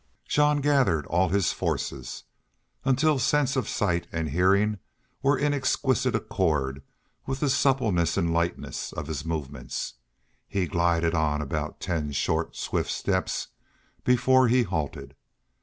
Jean gathered all his forces, until sense of sight and hearing were in exquisite accord with the suppleness and lightness of his movements. He glided on about ten short, swift steps before he halted.